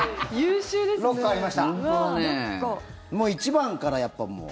１番からやっぱりもう。